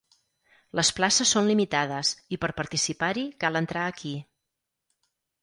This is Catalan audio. Les places són limitades i per participar-hi cal entrar aquí.